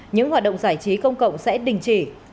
những hoạt động giải trí công cộng sẽ đình chỉ